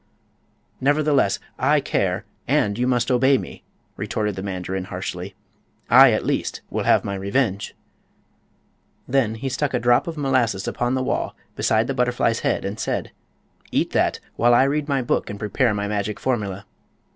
"Nevertheless, I care! and you must obey me," retorted the mandarin, harshly. "I, at least, will have my revenge." Then he stuck a drop of molasses upon the wall beside the butterfly's head and said: "Eat that, while I read my book and prepare my magic formula."